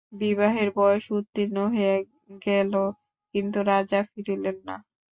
বিবাহের বয়স উত্তীর্ণ হইয়া গেল কিন্তু রাজা ফিরিলেন না।